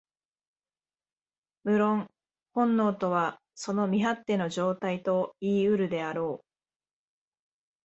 無論、本能とはその未発展の状態といい得るであろう。